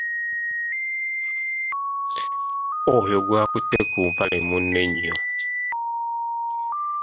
Oyo gwakutte ku empale munne nnyo.